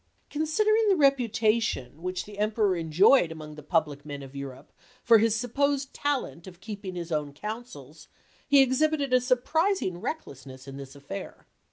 i, im. Considering the reputation which the Emperor enjoyed among the public men of Europe for his supposed talent of keeping his own counsels he exhibited a surprising recklessness in this affair.